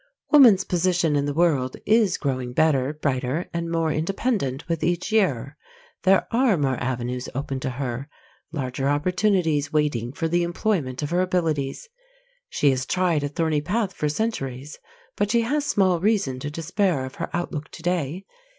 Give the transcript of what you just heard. Woman's position in the world is growing better, brighter, and more independent with each year. There are more avenues open to her larger opportunities waiting for the employment of her abilities. She has tried a thorny path for centuries, but she has small reason to despair of her outlook to day.